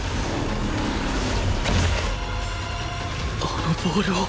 あのボールを！？